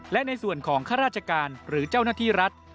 และในส่วนของข้าราชการหรือเจ้าหน้าที่รัฐ